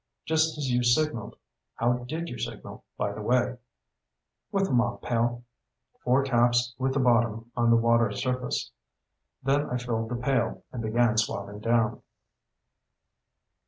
"Just as you signaled. How did you signal, by the way?" "With the mop pail. Four taps with the bottom on the water surface. Then I filled the pail and began swabbing down."